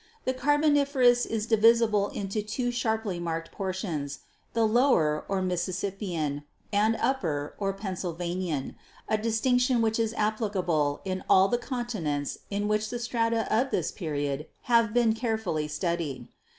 The Carboniferous is divisible into two sharply marked portions, the Lower, or Mississippian, and Upper, or Penn sylvanian, a distinction which is applicable in all the con tinents in which the strata of this period have been care fully studied.